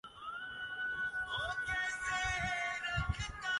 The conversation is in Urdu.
جتنا کہ اپنا۔